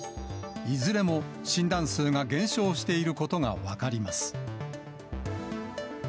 いずれも診断数が減少していることが分かります。